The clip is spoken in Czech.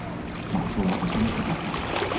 Má i svou vlastní sluneční elektrárnu.